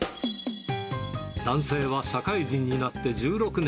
男性は社会人になって１６年。